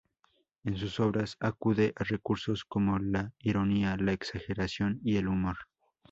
En sus obras, acude a recursos como la ironía, la exageración y el humor.